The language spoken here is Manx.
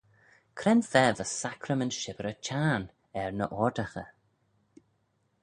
Cre'n fa va sacrament shibbyr y çhiarn er ny oardaghey?